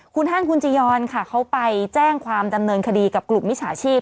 คุณฮันคุณจียอนค่ะเขาไปแจ้งความดำเนินคดีกับกลุ่มมิจฉาชีพ